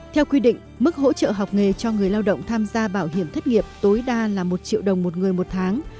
theo quy định mức hỗ trợ học nghề cho người lao động tham gia bảo hiểm thất nghiệp tối đa là một triệu đồng một người một tháng